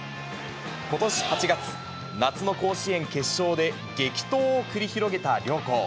ことし８月、夏の甲子園決勝で激闘を繰り広げた両校。